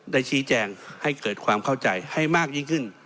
ได้ชี้แจงให้เกิดความเข้าใจให้มากยิ่งขึ้น